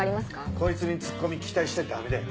こいつにツッコミ期待しちゃダメだよ。